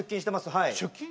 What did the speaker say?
はい出勤？